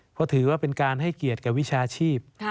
เพราะถือว่าเป็นการให้เกียรติกับวิชาชีพ